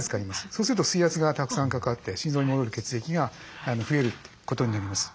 そうすると水圧がたくさんかかって心臓に戻る血液が増えることになります。